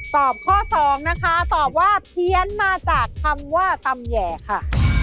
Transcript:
ตอบข้อสองนะคะตอบว่าเพี้ยนมาจากคำว่าตำแหย่ค่ะ